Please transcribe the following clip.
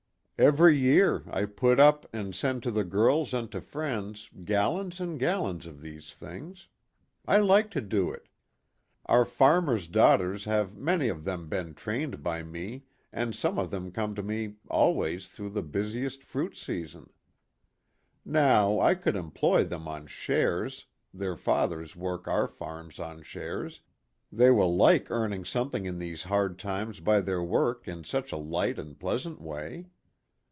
Every year I put up and send to the girls and to friends gallons and gallons of these things. I like to do it. Our farmers' daughters have many of them been trained by me and some of them come to me always through the busiest fruit season. Now, I could employ them on shares their fathers work our farms on shares they will like earn * The first confectioner, in old times, in New York. 84 PLAY AND WORK. ing something in these hard times by their work in such a light and pleasant way.